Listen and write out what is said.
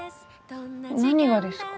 何がですか？